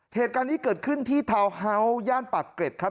เหตุการณ์นี้เกิดขึ้นที่ทาวน์ฮาส์ย่านปากเกร็ดครับ